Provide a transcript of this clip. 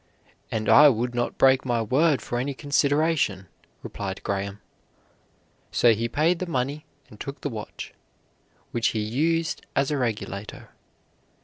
"And I would not break my word for any consideration," replied Graham; so he paid the money and took the watch, which he used as a regulator.